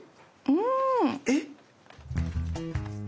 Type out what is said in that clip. うん！えっ？